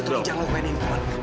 tuan jangan main main